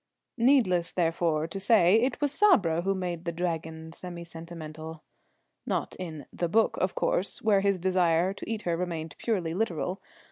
"] Needless, therefore, to say it was Sabra who made the Dragon semi sentimental. Not in the "book," of course, where his desire to eat her remained purely literal.